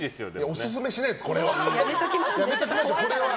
オススメしないです、これは。